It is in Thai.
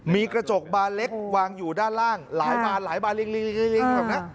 มีกระจกบาลเล็กวางอยู่ด้านล่างหลายบาลหลายบาลลิ่ง